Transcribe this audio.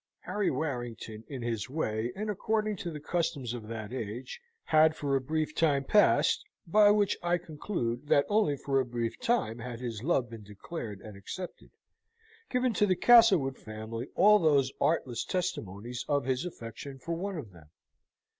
Harry Warrington, in his way, and according to the customs of that age, had for a brief time past (by which I conclude that only for a brief time had his love been declared and accepted) given to the Castlewood family all these artless testimonies of his affection for one of them.